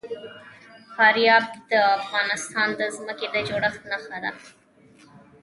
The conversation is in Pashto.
فاریاب د افغانستان د ځمکې د جوړښت نښه ده.